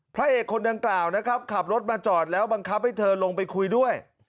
พระเอกคนดังกล่าวนะครับขับรถมาจอดแล้วบังคับให้เธอลงไปคุยด้วย